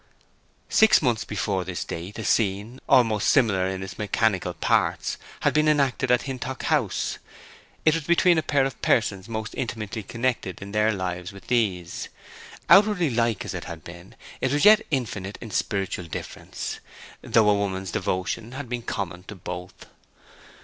Six months before this date a scene, almost similar in its mechanical parts, had been enacted at Hintock House. It was between a pair of persons most intimately connected in their lives with these. Outwardly like as it had been, it was yet infinite in spiritual difference, though a woman's devotion had been common to both.